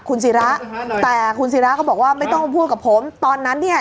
คุณศิระแต่คุณศิราก็บอกว่าไม่ต้องมาพูดกับผมตอนนั้นเนี่ย